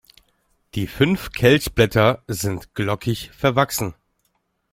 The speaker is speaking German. Die fünf Kelchblätter sind glockig verwachsen.